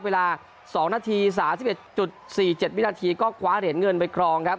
เวลา๒นาที๓๑๔๗วินาทีก็คว้าเหรียญเงินไปครองครับ